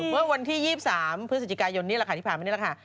เมื่อวันที่๒๓พฤษจิกายนที่ผ่านที่นี่เนี่ยแหละค่ะ